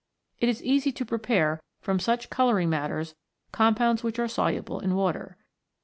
It is easy to prepare from such colouring matters compounds which are soluble in water.